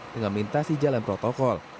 dengan melintasi jalan protokol